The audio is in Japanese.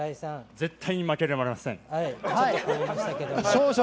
絶対に負けられません。